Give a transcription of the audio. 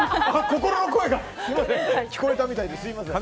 心の声が聞こえたみたいですみません。